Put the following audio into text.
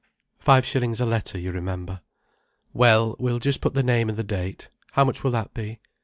"Five shillings a letter, you remember." "Well, we'll just put the name and the date. How much will that be?